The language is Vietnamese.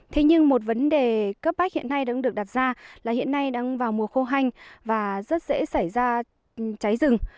thế nhưng một vấn đề cấp bách hiện nay đang được đặt ra là hiện nay đang vào mùa khô hanh và rất dễ xảy ra cháy rừng